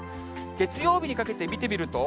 月曜日にかけて見てみると。